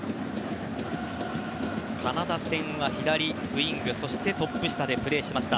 カナダ戦は左ウイングそしてトップ下でプレーしました。